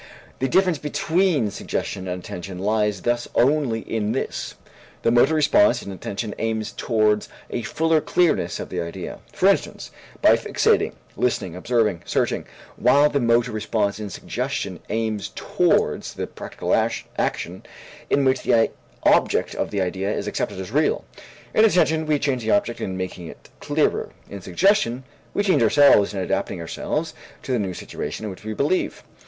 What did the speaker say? The difference between suggestion and attention lies thus only in this: the motor response in attention aims towards a fuller clearness of the idea, for instance, by fixating, listening, observing, searching; while the motor response in suggestion aims towards the practical action in which the object of the idea is accepted as real. In attention, we change the object in making it clearer; in suggestion, we change ourselves in adapting ourselves to the new situation in which we believe.